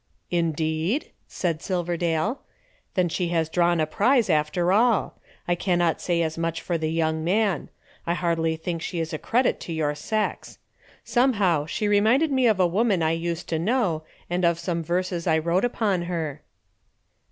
"Indeed?" said Silverdale. "Then she has drawn a prize after all! I cannot say as much for the young man. I hardly think she is a credit to your sex. Somehow, she reminded me of a woman I used to know, and of some verses I wrote upon her."